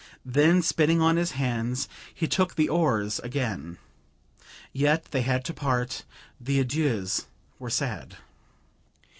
Then, spitting on his hands, he took the oars again. Yet they had to part. The adieux were sad.